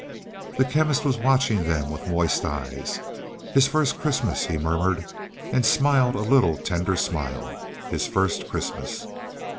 The Chemist was watching them with moist eyes. "His first Christmas," he murmured, and smiled a little tender smile. "His first Christmas."